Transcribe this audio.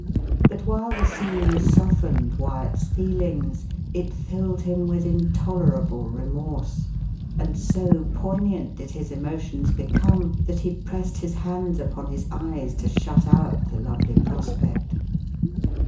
But while the scene softened Wyat's feelings, it filled him with intolerable remorse, and so poignant did his emotions become, that he pressed his hands upon his eyes to shut out the lovely prospect.